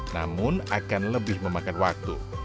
namun akan lebih memakan waktu